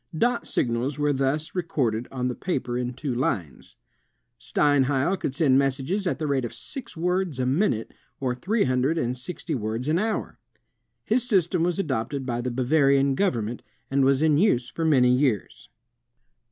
Dot signals were thus re corded on the paper in two lines. Steinheil could send messages at the rate of six words a minute, or three hundred and sixty words an hour. His system was adopted by the Bavarian government, and was in use for many years.